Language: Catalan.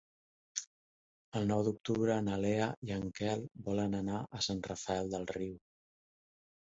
El nou d'octubre na Lea i en Quel volen anar a Sant Rafel del Riu.